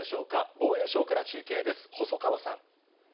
防衛省から中継です。